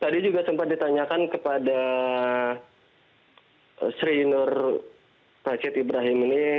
tadi juga sempat ditanyakan kepada sri nur rashid ibrahim ini